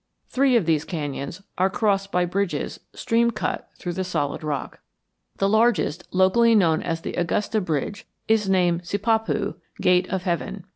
Three of these canyons are crossed by bridges stream cut through the solid rock. The largest, locally known as the Augusta Bridge, is named Sipapu, Gate of Heaven.